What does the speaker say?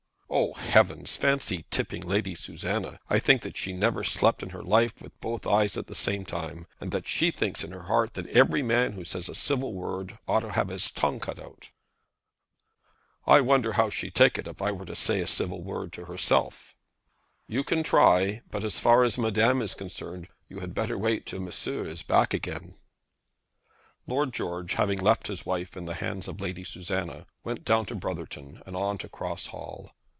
"Oh, heavens! Fancy tipping Lady Susanna! I should think that she never slept in her life with both eyes at the same time, and that she thinks in her heart that every man who says a civil word ought to have his tongue cut out." "I wonder how she'd take it if I were to say a civil word to herself?" "You can try; but as far as Madame is concerned, you had better wait till Monsieur is back again." Lord George, having left his wife in the hands of Lady Susanna, went down to Brotherton and on to Cross Hall.